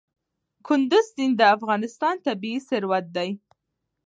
کندز سیند د افغانستان طبعي ثروت دی.